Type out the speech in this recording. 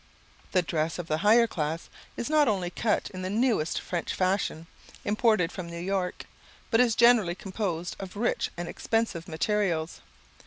The dress of the higher class is not only cut in the newest French fashion, imported from New York, but is generally composed of rich and expensive materials.